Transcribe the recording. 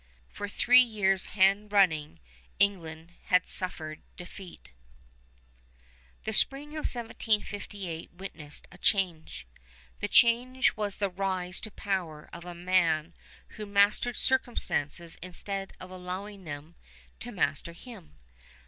For three years hand running England had suffered defeat. The spring of 1758 witnessed a change. The change was the rise to power of a man who mastered circumstances instead of allowing them to master him.